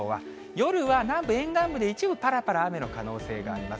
夜は南部沿岸部で一部ぱらぱら雨の可能性があります。